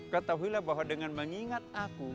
katakanlah bahwa dengan mengingat aku